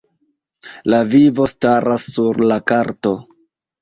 La vivo staras sur la karto.